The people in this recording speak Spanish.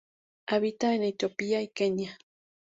Habita en Etiopía y Kenia.